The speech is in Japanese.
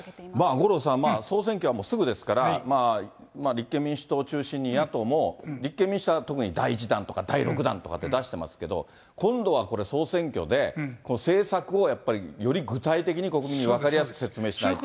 五郎さん、総選挙はもうすぐですから、まあ立憲民主党を中心に、野党も、立憲民主党は特にだい１だんとか第６弾とかって出してますけど、今度はこれ、総選挙で、政策をやっぱりより具体的に国民に分かりやすく説明しないと。